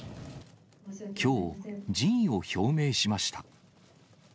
きょう、辞意を表明しました。